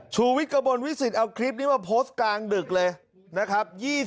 ชูวิทย์กระบวนวิสิตเอาคลิปนี้มาโพสต์กลางดึกเลยนะครับ